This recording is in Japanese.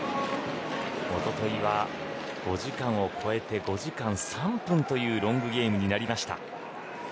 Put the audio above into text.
おとといは５時間を超えて５時間３分というロングゲームになりました。